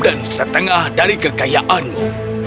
dan setengah dari kekayaannya